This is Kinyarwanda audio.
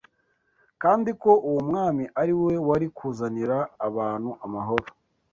kandi ko uwo mwami ari we wari kuzanira abantu amahoro.